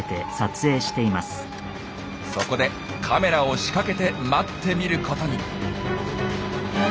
そこでカメラを仕掛けて待ってみることに。